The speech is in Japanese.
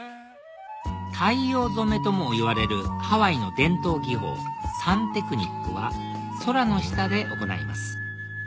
太陽染めともいわれるハワイの伝統技法サンテクニックは空の下で行います